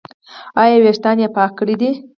ایا ویښتان یې پاک دي؟